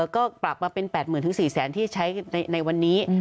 ก็ปรับมาเป็น๘๐๐๐๔๐๐๐ที่ใช้ในวันนี้